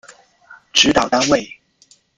指导单位